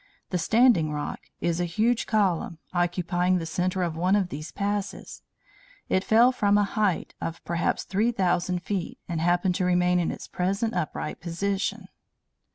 The 'standing rock' is a huge column, occupying the centre of one of these passes. It fell from a height of perhaps 3,000 feet, and happened to remain in its present upright position.